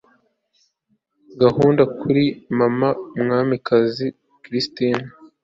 agahinda kuri mama mwamikazi christina